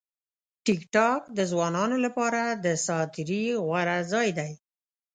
ټیکټاک د ځوانانو لپاره د ساعت تېري غوره ځای دی.